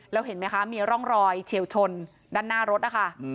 แล้วเห็นไหมคะมีร่องรอยเฉียวชนด้านหน้ารถนะคะ